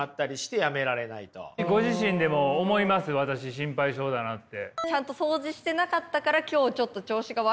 私心配性だなって。